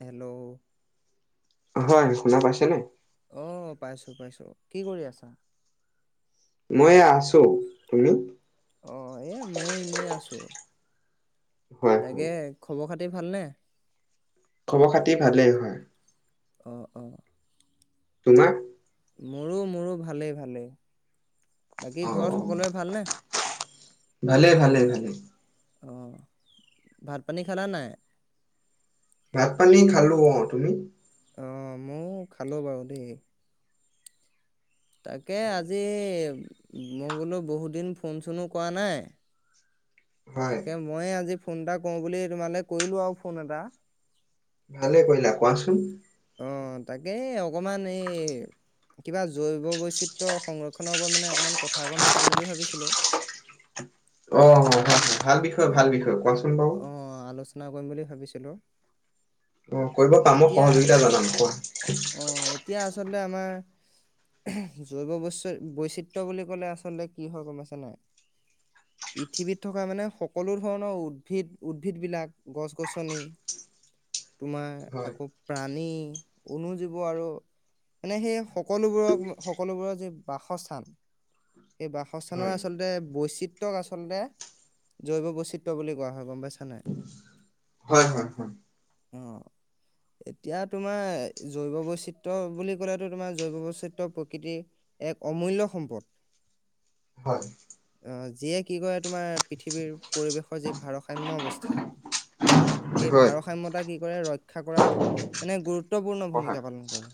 Hello হয় শুনা পাইছেনে? অ পাইছো পাইছো। কি কৰি আছা? বহিয়া আছো। তুমি? অ এ মইো এনেই আছো। হয় তাকে হয় খবৰ খাত তি ভালনে? খবৰ খাতি ভালেই হয়। অ অ তোমাৰ? মোৰো মোৰো ভালেই ভালেই। বাকী অ ঘৰত অ সকলোৰে ভালনে? ভালে ভালে। তেনেকে অ ভাত পানী খালা নাই? ভাত পানী খালো অ। তুমি? অ ময়ো খালো বাৰু দেই। তাকে আজি মই বোলো বহুত দিন ফোন চোনো কৰা নাই। হয় তাকে মই আজি ফোন এটা কও বুলি তোমালে কৰিলো আৰু ফোন এটা ভালে কৰিলা কোৱাচোন। অ তাকে অকমান এই কিবা জৈৱ বৈচিত্ৰ্য সংৰক্ষণৰ ওপৰত মানে অকমান কথা অকণ পাতিম বুলি ভাবিছিলোঁ। অ ভাল বিষয় ভাল বিষয় কোৱাচোন বাৰু। চনা কৰিম বুলি ভাবিছিলোঁ। অ কৰিব পাম সহযোগিতা হয় জতন আ কোৱা। আমাৰ জৈৱ বৈচ বৈচিত্ৰ বুলি কলে আচলতে কি হয় গম আছে নাই। পৃথিৱীত থকা মানে সকলো ধৰণৰ উদ্ভিদ উদ্ভিদবিলাক গছ-গছনি তোমাৰ হয় আকৌ ৰাণী অনুজীৱ আৰু মানে সেই সকলোবোৰক- সকলোবোৰৰ যি বাসস্থান সেই বাসস্থানৰ হয় আচলতে বৈচিত্ৰক আচলতে জৈৱ বৈচিত্ৰ বুলি কোৱা হয় গম পাইছ নে। হয়-হয়-হয়। অ'। এতিয়া তোমাৰ জৈৱ বৈচিত্ৰয় বুলি ক'লেতো তোমাৰ জৈৱ বৈচিত্ৰয় প্ৰকৃতিৰ এক অমূল্য সম্পদ। হয়। আহ যিয়ে কি কৰে তোমাৰ পৃথিৱীৰ পৰিৱেশৰ যি ভাৰসাম্যয় অৱস্থা হয় সেই হয় ভাৰসাম্যয় কি কৰে ৰক্ষা কৰাত মানে গুৰুত্বপূৰ্ণ ভূমিকা সহায় পালন কৰে।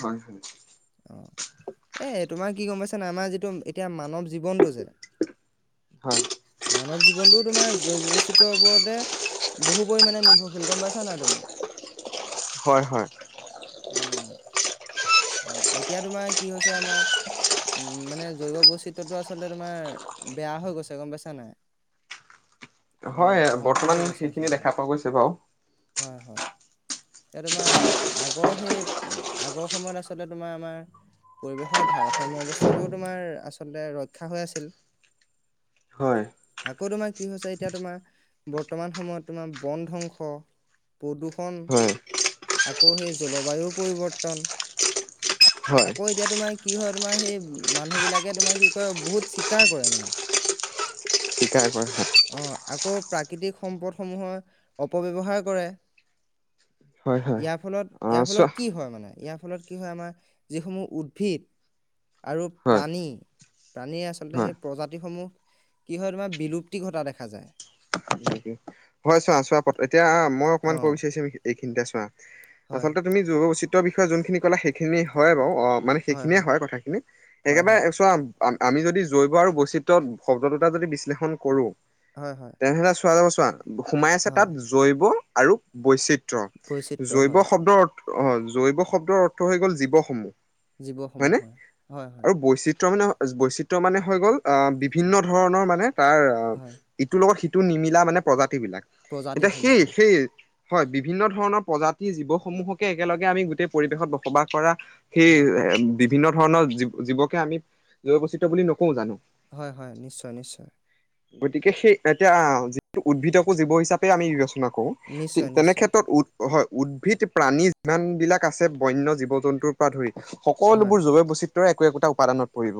হয় হয় অ' এ তোমাৰ কি গম পাইছা ন আমাৰ যিটো এতিয়া মানৱ জীৱনটো যে মানৱ জীৱনটো তোমাৰ জৈৱ বৈচিত্ৰয়ৰ ওপৰতে বহু পৰিমামানে নিৰ্ভৰশীল গম পাইছা নাই তুমি? অ হয় হয় হয় এতিয়া তোমাৰ কি হৈছে আমাৰ উম মানে জৈৱ বৈচিত্ৰটো আচলতে তোমাৰ বেয়া হৈ গৈছে গম পাইছা নাই তোমাৰ হয় ধ্বংস বৰ্তমান হৈ গৈছে সেইখিনি আচলতে দেখা পোৱা গৈছে বাৰু। হয় হয়। এতিয়া তোমাৰ আগৰ সেই আগৰ সময়ত আচলতে তোমাৰ আমাৰ পৰিৱেশৰ ভাৰসাম্য় অৱস্থাটোও তোমাৰ আচলতে ৰক্ষা হৈ আছিল হয় আকৌ তোমাৰ কি হৈছে এতিয়া তোমাৰ বৰ্তমান সময়ত তোমাৰ বন ধ্বংস প্ৰদূষ হয় আকৌ সেই জলবায়ুৰ পৰিৱৰ্তন হয় আকৌ এতিয়া তোমাৰ কি হয় তোমাৰ সেই মানুহবিলাকে তোমাৰ কি কয় বহুত চীকাৰ কৰে মানে। শিকাৰ পৰা অ আকৌ প্ৰাকৃতিক সম্পদসমূহৰ অপবেবহাৰ কৰে। হয় হয় ইয়াৰ ফলত আহ ইয়াৰ চোৱা ফলত কি হয় মানে ইয়াৰ ফলত কি হয় আমাৰ যিসমূহ উদ্ভিদ আৰু হয় প্ৰাণী প্ৰাণীয়ে আচলতে হয় সেই প্ৰজাতিসমূহ কি হয় তোমাৰ বিলুপ্তি ঘটা দেখা যায়। হয় চোৱা চোৱা পত এতিয়া মই অ অকমান কব বিচাৰিছো নেকি এইেখিনিতে চোৱা হয় আচলতে তুমি যোৱা উচিত। ৰ বিষয়ে যোনখিনি কলা সেখিনি হয় বাৰু। অ মানে সেইখিনিয়ে হয় কথাখিনি হয় হয় একেবাৰে চোৱা আমি যদি জৈৱ আৰু বৈচিত্ৰ শব্দ দুটা যদি বিশ্লেষণ কৰোঁ হয় হয়। [unintelligible] ছোৱা। সোমাই আছে তাত হয় জৈৱ আৰু বৈচিব। বৈচিত্ৰ জৈৱ হয় শব্দৰ অ' জৈৱ শব্দৰ অৰ্থ হৈ গ'ল জীৱসমূহ। জীৱসমূহ হয়নে? হয় হয় হয় আৰু বৈচিত্ৰ মানে বৈচিত্ৰ মানে হৈ গ'ল অ' বিভিন্ন ধৰণৰ মানে তাৰ হয় ইটোৰ লগত সিটো সিটো নিমিলা মানে প্ৰজা বিলাক। এতিয়া প্ৰজাতিসমূহ সেই, হয় সেই হয় বিভিন্ন ধৰণৰ প্ৰজাতি জীৱসমূহকে একেলগে আমি গোটেই পৰিৱেশত বসবাস কৰা সেই হয় বি বিভিন্ন ধৰণৰ জীৱ, জীৱকে আমি জৈৱৈচিত্ৰ বুলি নকওঁ জানো। হয় হয় নিশ্চয়, নিশ্চয়। গতিকে সেই এতিয়া উদ্ভিদকো জীৱ হিচাপেই আমি বিবেচনা কৰোঁ। কৰোঁ নিশ্চয় নিশ্চয় তেনেক্ষেত্ৰত হয় উদ্ভিদ, প্ৰাণী যিমান বিলাক আছে, বন্য জীৱ জন্তুৰ পৰা ধৰি। হয় সকলোবোৰ জৈৱ বৈচিত্ৰ। ৰ একো একোটা উপাদানত পৰিব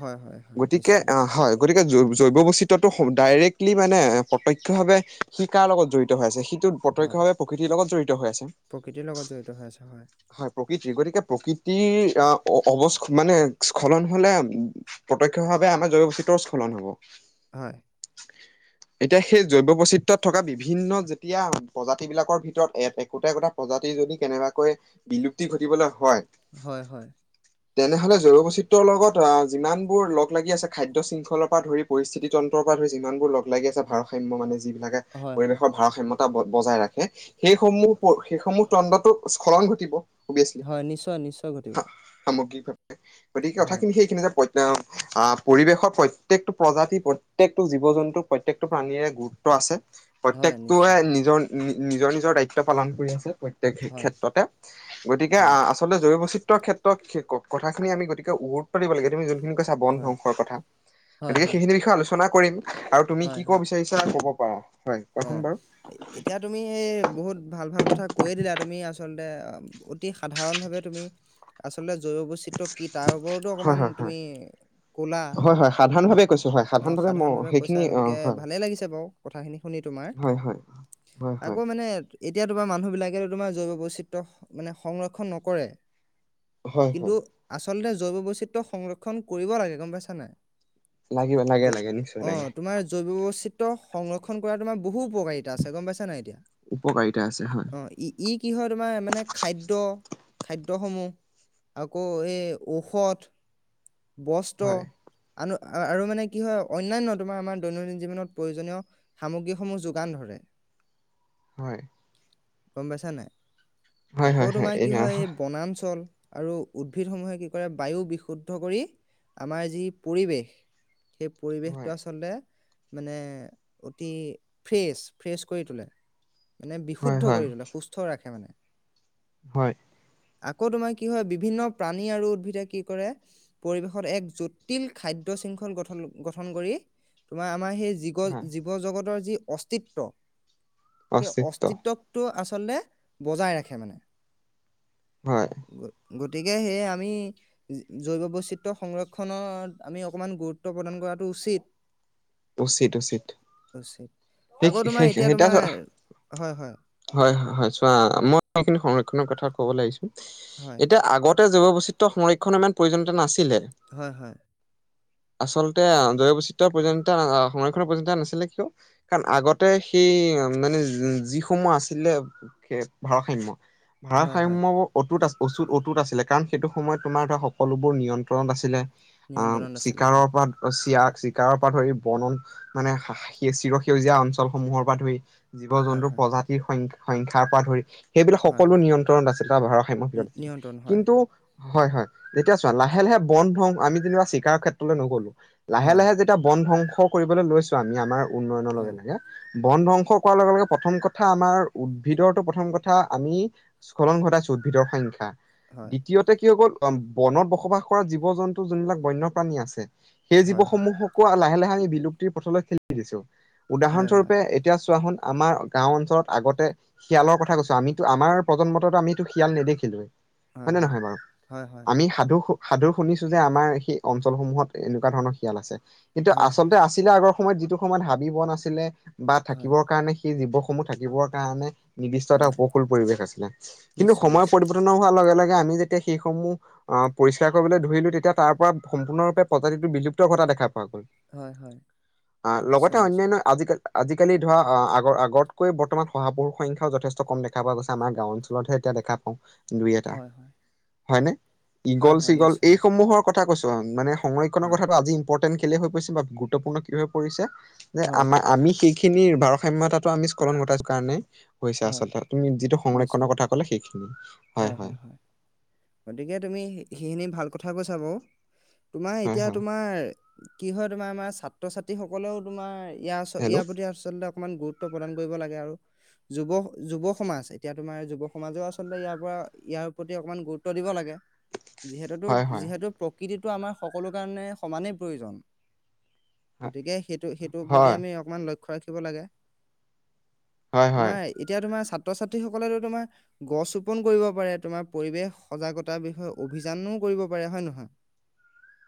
হয় হয় হয় গতিকে নিশ্চয় অঁ নিশ্চয় হয় গতিকে। জৈ-জৈৱ বৈচিত্ৰটো ডাইৰেক্টলি মানে প্ৰত্যক্ষ ভাৱে, সি কাৰ লগত জড়িত হৈ আছে? প্ৰত্যক্ষ হয় ভাৱে প্ৰকৃতিৰ লগত জৰিত হৈ আছে প্ৰকৃতিৰ লগত জড়িত হৈ আছে হয় কওক। প্ৰকৃতি গতিকে প্ৰকৃতিৰ অৱস্খখলন মানে স্খলন হলে প্ৰত্যক্ষ ভাৱে আমাৰ জৈৱ পবৈচিত্ৰৰো স্খলন হব। হয়। [unintelligible] এতিয়া সেই জৈৱ বৈচিত্ৰত থকা বিভিন্ন যেতিয়া প্ৰজাতি বিলাকৰ ভিতৰত একোটা, একোটা প্ৰজাতিৰ যদি কেনেবাকৈ বিলুপ্তি ঘটিবলৈ হয় হয় হয়। তেনেহলে জৈৱ বৈচিত্ৰৰ লগত অঁ যিমানবোৰ লগ-লাগি আছে খাদ্য শৃংখলৰ পৰা ধৰি পৰিস্থিতি, তন্ত্ৰৰ পৰা ধৰি, যিমানবোৰ লগ লাগি আছে। ভাৰসাম্য মানে যিবি থাকে হয় হয় পৰিৱেশৰ ভাৰসাম্য বজাই ৰাখে সেইসমূহ সেইসমূহ অন্ন্ত্ৰটো স্খলন ঘটিব। অভিয়াচলি হয় নিশ্চয় নিশ্চয় ঘটিব। সামগ্ৰিকভাৱে গতিকে হয় কথাখিনি সেইখিনি‌ যে পই আঁ পৰিৱেশৰ প্ৰতেকটো প্ৰজাতি, প্ৰত্যেকটো জীৱ জন্তু প্ৰত্যেক প্ৰাণীযৰে গুৰুত্ব আছে। হয় প্ৰত্যেকটোৱে নিশ্চয় নিজৰ নিজৰ নিজৰ দায়িত্ব পালন কৰি আছে। প্ৰত্যেক হয় ক্ষেত্ৰতে গতিকে হয় আচলতে জৈৱ ক্ষেত্ৰত কথাখি আম গতিে গুৰুত্ব দিব লাগে তুমি যোনখিনি বন হয় ধ্বংসৰ কথা হয় গতিকে হয় সেইখিনিৰ বিষয়ে আলোচনা আলোচনা কৰিম আৰু তুমি কি ক'ব পাৰা হয় কোৱাচোন অঁ বাৰু এতিয়া তুমি বহুত ভাল ভাল কথা কৈয়ে দিলা তুমি আচলতে অতি সাধাৰণ ভাৱে তুমি আচলতে জৈৱ বৈচিত্ৰ্য কি তাৰ ওপৰতো হয় অকমান হয় হয় তুমি কলা হয় হয় সাধাৰণ ভাৱে কৈছো হয় অঁ সাধাৰণ মই ভাৱে কৈছা সেইখিনি অ গতিকে হয় ভালে লাগিছে বাৰু কথাখিনি শুনি তোমাৰ, হয় হয় হয় আকৌ হয় মানে এতিয়া তোমাৰ মানুহ বিলাকে তোমাৰ জৈৱ বৈচিত্ৰ্য মানে সংৰক্ষণ নকৰে হয় কিন্তু হয় আচ আচলতে জৈৱ বৈচিত্ৰ্য সংৰক্ষণ কৰিব লাগে গম পাইছা নে নাই? লাগিব লাগে লাগে নিশ্চয় লাগে জৈ-অ', তোমাৰ জৈৱবৈচিত্ৰ্য সংৰ কৰা তোমাৰ বহু উপকাৰিতা আছে গম পাইছা নে নাই এতিয়া? উপকাৰিতা আছে হয় অ', ই-ই কি হয়, তোমাৰ মানে খাদ্য খাদ্যসমূহ, আকৌ এই ঔষধ বস্ত্ৰ হয় আন আ-আৰু মানে কি হয়, অন্যান্য তোমাৰ আমাৰ দৈনন্দিন জীৱনত প্ৰয়োজনীয় সামগ্ৰীসমূহ যোগান ধৰে। হয়। গম পাইছা নে নাই? হয় আকৌ হয় তোমাৰ কি না- হয়, এই বনাঞ্চল আৰু উদ্ভিদসমূহে কি কৰে, বায়ু বিশুদ্ধ কৰি আমাৰ যি পৰিৱেশ সেই পৰিৱেশটো হয় আচলতে মানে অতি ফ্ৰেছ, ফ্ৰেচ কৰি তোলে। মানে হয় বিশুদ্ধ হয় কৰি তুলে সুস্থ ৰাখে মান হয়। আকৌ তোমাৰ কি হয় বিভিন্ন প্ৰাণী আৰু উদ্ভিদে কি কৰে পৰিৱেশত এক জটিল খাদ্যয় শৃংখল গঠন গঠন কৰি তোমাৰ আমাৰ সেই হয় জীৱ জগতৰ যি অস্তিত্ব। সেই অস্তিত্ব অস্তিত্বকটো আচল আচলতে বজাই ৰাখে মানে। হয়। গ- গতিকে সেয়ে আমি জৈৱ বৈচিত্ৰয় সংৰক্ষণত আমি অকমান গুৰুত্ব প্ৰদান কৰাটো উচিত। উচিত, উচিত। উচিত আকৌ তোমাৰ এতিয়া সেইৱা তোমাৰ হয়, হয় হয় হয়, হয় চোৱা মই সখিন সং কনৰ কথা ক'ব লাগিছে। হয় এতিয়া আগত জৈৱবৈচিত্ৰ সংৰক্ষণৰ ইমান প্ৰয়োজনীয়া নাছিল। হয়, হয়। আচলতে জৈৱ বৈচিত্ৰ পৰন্ত সংৰক্ষণৰ পৰ্যন্তা নাছিলে কিয় কাৰণ আগতে সেই মানে যিসমূহ আছিলে সে ভাৰসাম্য হয় হয় ভাৰসাম্যৰ অটুত আ অচুত অতুত আছিলে কাৰণ সেইটো সময়ত তোমাৰ ধৰ সকলোবোৰ নিয়ন্ত্ৰণত আছিলে। অ নিয়ন্ত্ৰণত আছিলে চিকাৰৰ হয় পৰা চিয়াক। চিকাৰৰ পৰা ধৰি। বৰ্ণন মানে চিৰসেউজীয়া অঞ্চলসমূহৰ পৰা ধৰি। জীৱ হয় জন্তুৰ হয় প্ৰজাতিৰ সংখ্যা। সংখ্যাৰ পৰা ধৰি। সেইবিলাক হয় সকলো হয় নিয়ন্ত্ৰণত আছিলে বা ভাৰ সাম্য ভিতৰত নি- আছিলে নিয়ন্ত্ৰণ হয় কিন্তু। হয় হয় এতিয়া চোৱা লাহে লাহে বন্ধ হওঁ আমি যেনিবা চিকাৰৰ ক্ষেত্ৰলৈ নগলো। লাহে হয় লাহে যেতিয়া বন ধংস। কৰিবলৈ লৈছোঁ আমি আমাৰ। উন্নয়নৰ লগে হয় নাগে। বন ধ্বংস কৰাৰ লগে লগে প্ৰথম কথা আমাৰ উদ্ভিদৰ টো প্ৰথম কথা আমি স্খলন ঘটাইছো উদ্ভিদৰ সংখ্যা। হয়, দ্বিতীয়তে কি হৈ গল। অ, বনত বসবাস কৰা জীৱ জন্তু যোনবিলাক বন্যপ্ৰাণী আছে। সেই হয়, হয়, জীৱসমূহক লাহে লাহে। আমি বিলুপ্তিৰ পথলৈ খেলি দিছো। উদাহৰণ হয়, হয়, স্বৰূপে এতিয়া চোৱা হন। আমাৰ গাঁও অঞ্চলত আগতে শিয়ালৰ কথা কৈছো আমিতো আমাৰ প্ৰজন্মতো আমিতো শিয়াল নেদেখিলোয়ে। হয় নে নহয় বাৰু হয়, হয়, আমি সাধু সাধু শুনিছো যে আমাৰ সেই অঞ্চলসমূহত এনেকুৱা ধৰণৰ শিয়াল আছে। কিন্তু হয় হয়। আচলতে আছিলে আগৰ সময়ত যিটো সময়ত হাবিবন আছিলে। বা হয়, থাকিবৰ কাৰণে। সেই জীৱসমূহ থাকিবৰ কাৰণে নিৰ্দিষ্ট এটা হয়, উপকূল পৰিৱেশ আছিলে কিন্তু নিশ্চয়, সময় নিশ্চয়। পৰিৱৰ্তন হোৱাৰ লগে লগে আমি যেতিয়া সেইসমূহ আহ পৰিষ্কাৰ কৰিবলৈ ধৰিলো তেতিয়া তাৰ পৰা সম্পূৰ্ণৰূপে প্ৰজাতিটো বিলুপ্ত ঘটা দেখা পোৱা গ'ল। হয়, হয়, আহ লগতে নিশ্চয়, অন্যান্য নিশ্চয়। আজিকালি আজিকালি ধৰা আগৰ আগতকৈ বৰ্তমান শহাপহুৰ সংখ্যাও যথেষ্ট কম দেখা পোৱা গৈছে আমাৰ গাও অঞ্চলতহে এতিয়া দেখা পাওঁ। দুই এটা। হয়, হয়, হয়নে? হয়, ইগল হয়, চিগল নিশ্চয়, নিশ্চয়। এইসমূহৰ কথা কৈছ অ মানে সময়ক্ষণৰ হয়, কথাটো আজিম পৰ্টেন খলি হৈ পৰিছে বা গুৰুত্বপূৰ্ণ কি হৈ পৰিছে যে হয়, আমাৰ আমি স খিনিৰ ভাৰসাম্যতাতো আমি স্খলন ঘটাইছো কাৰণে হৈছে হয়, আচলতে তুমি যিটো নিশ্চয়। সংৰক্ষনৰৰ কথা কলে সেইখিনি হয় হয় গতিকে তুমি সেইখিনি ভাল কথা কৈছ ব তোমাৰ হয় এতিয়া হয় তোমাৰ কি হয় তোমাৰ আমাৰ ছাত্ৰ ছাত্ৰী সকলেও তোমাৰ ইয়াৰ আ ইয়াৰ হেল্ল' প্ৰতি আচলতে অকমান গুৰুত্ব প্ৰদান কৰিব লাগে আৰু যুৱ যুৱ সমাজ এতিয়া তোমাৰ যুৱ সমাজেও আচলতে ইয়াৰ পৰা ইয়াৰ প্ৰতি অকণমান গুৰুত্ব ত দিব লাগে যিহেতুো হয় হয় যিহেতু প্ৰকৃতিটো আমাৰ সকলো কাৰণে সমানেই প্ৰয়োজন। হয় গতিকে সেইটো সেইটোৰ প্ৰতি হয় আমি অকমান লক্ষ্য [inaudible] হয় হয় তোমাৰ এতিয়া তোমাৰ- ছাত্ৰ ছাত্ৰীসকলেো তোমাৰ গছ ৰোপন কৰিব পাৰে তোমাৰ পৰিৱেশ। সজাগতাৰ বিষয়ে অভিযানো কৰিব পাৰে হয় নহয়।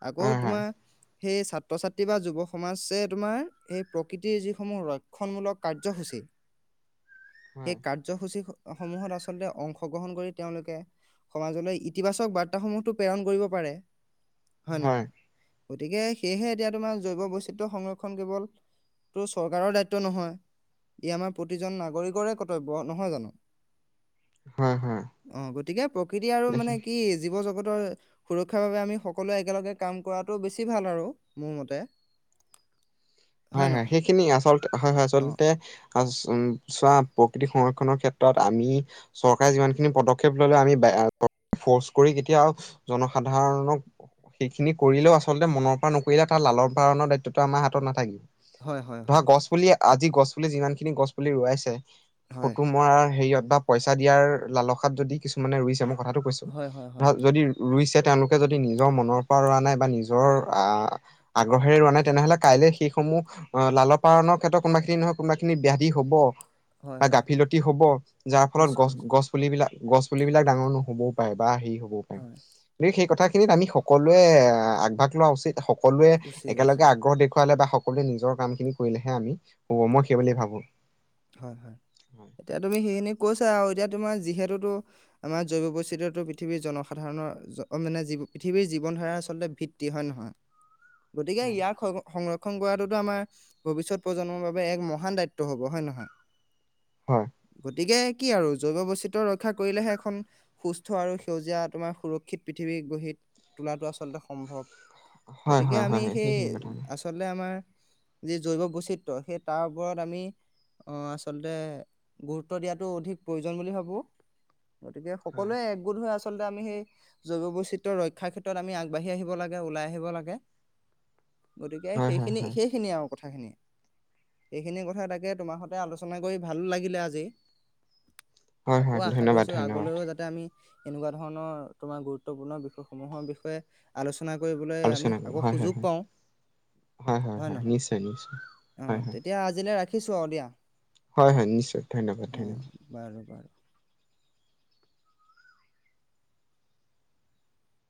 আকৌ হয় তোমাৰ- সেই ছাত্ৰ ছাত্ৰী বা যুৱ সমাজছে তোমাৰ সেই প্ৰকৃতিৰ যিসমূহ ৰক্ষণমূলক কাৰ্যসূচী সেই হয় কাৰ্যসূচী সমূহত আচলতে অংশগ্ৰহণ কৰি তেওঁলোকে সমাজলৈ ইতিবাচক বাৰ্তাসমূহতো প্ৰেৰণ কৰিব পাৰে হয় নহয় গতিকে সেয়েহে এতিয়া তোমাৰ জৈৱ বৈচিত্ৰয় সংৰক্ষণ কেৱল তটো চৰকাৰৰ দায়িত্ব নহয় ই আমাৰ প্ৰতিজন নাগৰিকৰে কৰ্তব্য নহয় জানো হয় হয় অ গতিকে আৰু দেখি মানে কি জীৱ জগতৰ সুৰক্ষাৰ বাবে আমি সকলোৱে একেলগে কাম কৰাটো বেছি ভাল আৰু মোৰ মতে হয় হয় সেইখিনি আচলতে হা হা অ আচলতে চোৱা প্ৰকৃতিক সংৰক্ষণৰ ক্ষেত্ৰত আমি চৰকাৰে যিমানখিনি পদক্ষেপ ললে আমি ফৰ্চ কৰি কেতিয়াও জনসাধাৰণক সেইখিনি কৰিলেও আচলতে মনৰ পৰা নকৰিলে তাৰ লালন পালনৰ দায়িত্বতটো আমাৰ হাতত নাথাকিব হয় হয় ধৰা হয় গছ পুলি আজি গছ পুলি যিমান খিনি গছ পুলি ৰোৱাইছে। হয় ফটো মৰা হেৰিয়ত বা পইচা দিয়াৰ লালসাত যদি কিছুমানে ৰুইছে মোক- কথাটো কৈছো হয় হয় ধ হয় যদি ৰুইছে তেওঁলোকে যদি নিজৰ মনৰ পৰা ৰোৱা নাই বা নিজৰ আহ আগ্ৰহেৰে ৰোৱা নাই তেনেহলে কাইলে শি সমূহ আহ লাল পালনৰ ক্ষেত্ৰত কোনোবাখিনি নহয় কোনোবাখিনি ব্যাধি হব। হয় বা হয় গাফিলতি হব যাৰ ফলত নিশ্চয় গছ নিশ্চয় গছ পুলিবিলাক গছ পুলিবিলাক ডাঙৰ নহ'বও পাৰে বা হেৰি, হব গকে হয় সেই কথা। সেইখিনিত আমি সকলোৱে আগভাগ লোৱা উচিত সকলোৱে উচিত একেলগে উচিত আগ্ৰহ দেখুৱ খোৱালে বা হক সকলোৱে নিজৰ কামখিনি কৰিলেহে আমি হ'ব মই সেইব ভাবো হয় হয় এতিয়া তুমি সেইখিনি কৈছা আৰু এতিয়া তোমাৰ যিহেতুতো আমাৰ জৈৱ বৈচিতয়তো পৃথিৱীৰ জনসাধাৰণৰ মানে জীৱ পৃথিৱীৰ জীৱন ধাৰা আচলতে ভিত্তি হয়ে নহয় গতিকে ইয়াক সংৰক্ষণ কৰাটো আমাৰ ভৱিষ্যত প্ৰজন্মৰ বাবে এক মহান দায়িত্ব হ'ব হয় নহয় হয় গতিকে কি আৰু জৈৱ বৈচিত্ৰ্য ৰক্ষা কৰিলেহে এখন সুস্থ আৰু সেউজীয়া তোমাৰ সুৰক্ষিত পৃথিৱী গঢ়ি তোলাটো আচলতে সম্ভৱ হয় গতিকে হয় হয় আমি হয় সেই সেইখিনি কথা হয় আচলতে আমাৰ যি জৈৱ বৈচিত্ৰয় সেই তাৰ ওপৰত আমি অঁ আচলতে গুৰুত্ব দিয়াটো অধিক প্ৰয়োজন বুলি ভাবোঁ গতিকে সকলোৱে একগোট হৈ আছে আচলতে আমি সেই জৈৱ বৈচিত্ৰয় ৰক্ষাৰ ক্ষেত্ৰত আমি আগবাঢ়ি আহিব লাগে ওলাই আহিব লাগে গতিকে হয় হয় সেইখিনি সেইখিনিয় আৰু কথা খিনিয়ে এইেইখিনি কথা তাকে তোমাৰ আলোচনা কৰি ভাল লাগিলে আজি হয় আকৌ হয় আশা ধন্যবাদ কৰিছো ধন্যবাদ আগলৈও যাতে আমি এনেকুৱা ধৰণৰ তোমাৰ গুৰুত্বপূৰ্ণ বিষয়সমূহৰ বিষয়ে আলোচনা আলোচনা হয় হয় হয় হয় হয় হয় নিশ্চয় নিশ্চয় হয় হয় [unintelligible] ৰাখিছোঁ আৰু দিয়া হয় হয় নিশ্চয় ধন্যবাদ অ ধন্যবাদ বাৰু বাৰু।